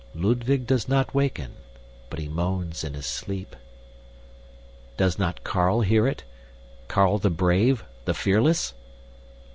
Ludwig does not waken, but he moans in his sleep. Does not Carl hear it Carl the brave, the fearless?